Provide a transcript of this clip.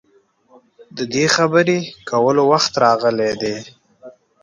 د دې خبرې کولو وخت راغلی دی.